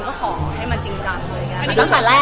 ก็ขอให้มันจริงจักเลย